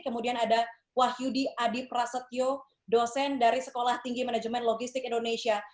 kemudian ada wahyudi adi prasetyo dosen dari sekolah tinggi manajemen logistik indonesia